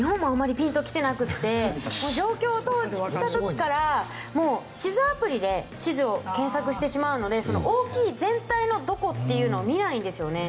上京した時から地図アプリで地図を検索してしまうので大きい全体のどこっていうのを見ないんですよね。